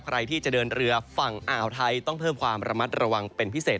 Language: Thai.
ใครที่จะเดินเรือฝั่งอ่าวไทยต้องเพิ่มความระมัดระวังเป็นพิเศษ